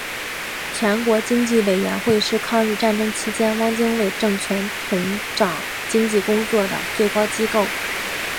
全国经济委员会是抗日战争期间汪精卫政权统掌经济工作的最高机构。